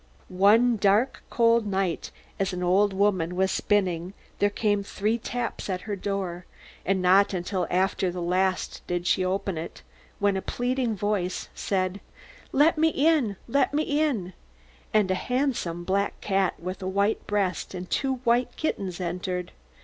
"One dark, cold night, as an old woman was spinning, there came three taps at her door, and not until after the last did she open it, when a pleading voice said: 'Let me in, let me in,' and a handsome black cat, with a white breast, and two white kittens, entered.